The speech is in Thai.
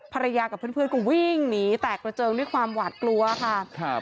ภรรยากับเพื่อนก็วิ่งหนีแตกประเจิงด้วยความหวาดกลัวค่ะ